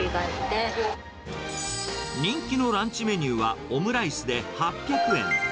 人気のランチメニューは、オムライスで８００円。